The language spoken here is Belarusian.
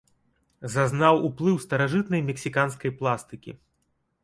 Зазнаў уплыў старажытнай мексіканскай пластыкі.